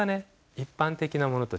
一般的なものと違う。